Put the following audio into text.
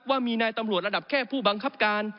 ว่ามีนายตำรวจระดับแค่ผู้บังคับการ